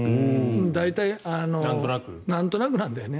大体、なんとなくなんだよね。